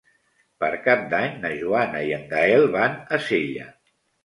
Per Cap d'Any na Joana i en Gaël van a Sella.